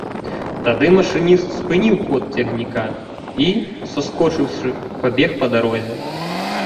Тады машыніст спыніў ход цягніка і, саскочыўшы, пабег па дарозе.